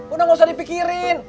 udah gak usah dipikirin